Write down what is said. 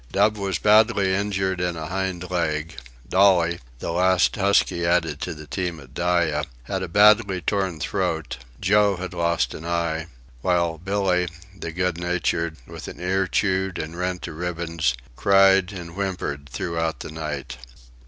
Dub was badly injured in a hind leg; Dolly, the last husky added to the team at Dyea, had a badly torn throat; Joe had lost an eye; while Billee, the good natured, with an ear chewed and rent to ribbons, cried and whimpered throughout the night.